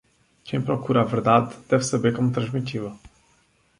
Quem procura a verdade deve saber como transmiti-la.